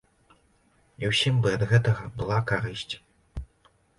І ўсім бы ад гэтага была карысць.